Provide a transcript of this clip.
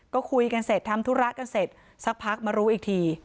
ก็คุยกันเสร็จทำธุระกันเสร็จสักพักมารู้อีกที